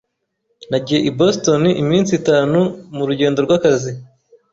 Nagiye i Boston iminsi itanu murugendo rwakazi.